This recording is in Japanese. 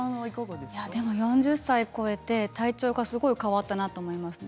４０歳を超えて体調がすごく変わったなと思います。